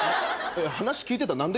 話聞いてた？